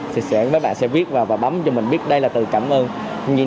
thì mấy bạn sẽ viết vào và bấm cho mình biết đây là từ cảm ơn